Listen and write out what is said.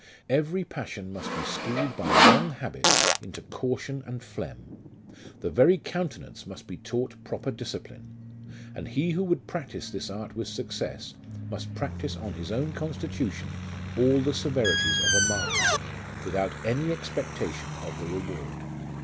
Every passion must be schooled by long habit into caution and phlegm ; the very countenance must be taught proper discipline ; and he who would practise this art with success, must practise on his own constitution all the severities of a martyr, without any expectation of the reward.